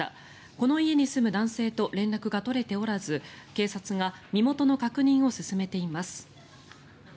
この家に住む男性と連絡が取れておらず警察が身元の確認を進めています。